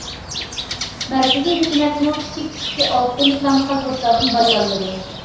مەركىزى ھۆكۈمەتمۇ كىچىك تىپتىكى ئالتۇن كان قازغۇچىلاردىن باج ئالمىدى.